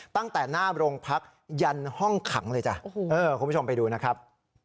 ตั้งแต่หน้าโรงพักยันห้องขังเลยจ้ะคุณผู้ชมไปดูนะครับ